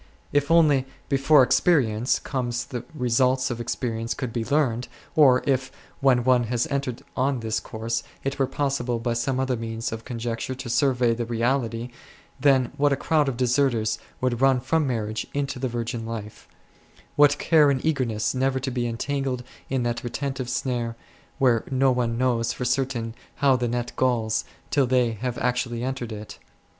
If only, before experience comes, the results of experi ence could be learnt, or if, when one has entered on this course, it were possible by some other means of conjecture to survey the reality, then what a crowd of deserters would run from marriage into the virgin life ; what care and eagerness never to be entangled in that retentive snare, where no one knows for certain how the net galls till they have actually entered it